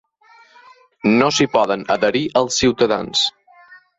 No s'hi poden adherir els ciutadans.